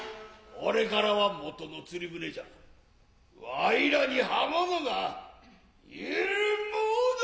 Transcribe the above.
これからは元の釣船じゃ。わいらに刃物が入るものか。